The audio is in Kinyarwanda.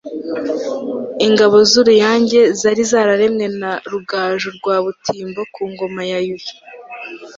ingabo z'uruyange zari zararemwe na rugaju rwa butimbo ku ngoma ya yuhi